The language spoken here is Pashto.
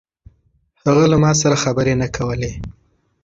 هغه له ما سره خبرې نه کولې.